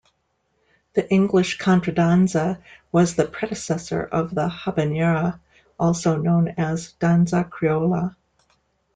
The English contradanza was the predecessor of the "habanera", also known as danza criolla.